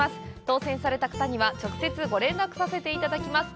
当せんされた方には、直接ご連絡させていただきます。